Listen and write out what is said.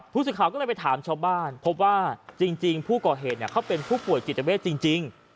ผู้สื่อข่าวก็เลยไปถามชาวบ้านพบว่าจริงผู้ก่อเหตุเขาเป็นผู้ป่วยจิตเวทจริง